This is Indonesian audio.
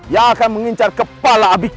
yang akan mengincar kepala abi